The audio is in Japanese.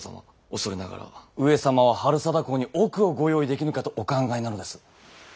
恐れながら上様は治済公に奥をご用意できぬかとお考えなのです。